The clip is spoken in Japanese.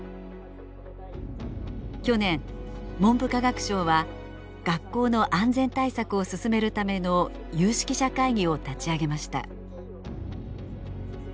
去年文部科学省は学校の安全対策を進めるための有識者会議を立ち上げました。